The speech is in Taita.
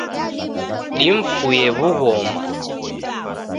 Dimfuye wughoma